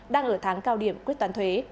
đang ở tháng cao điểm quyết toán thuế